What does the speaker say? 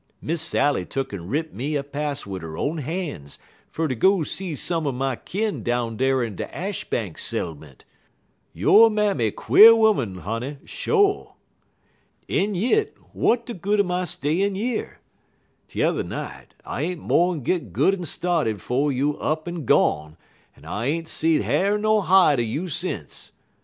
Miss Sally tuck'n writ me a pass wid her own han's fer ter go see some er my kin down dar in de Ashbank settlement. Yo' mammy quare 'oman, honey, sho'! "En yit, w'at de good er my stayin' yer? T'er night, I ain't mo'n git good en started 'fo' you er up en gone, en I ain't seed ha'r ner hide un you sence.